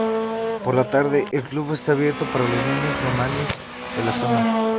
Por la tarde el club está abierto para los niños romaníes de la zona.